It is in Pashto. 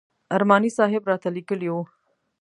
ارماني صاحب راته لیکلي و.